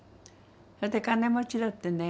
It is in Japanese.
それで金持ちだってね